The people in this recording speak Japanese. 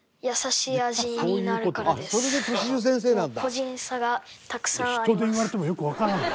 「人で言われてもよくわからない」